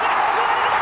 抜けた！